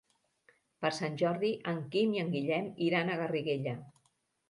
Per Sant Jordi en Quim i en Guillem iran a Garriguella.